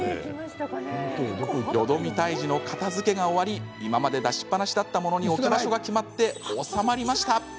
よどみ退治の片づけが終わり今まで出しっぱなしだったものに置き場所が決まって収まりました。